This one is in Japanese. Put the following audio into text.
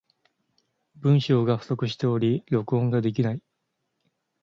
文章が不足しており、録音ができない。